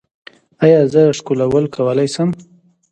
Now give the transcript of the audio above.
ایا زه ښکلول کولی شم؟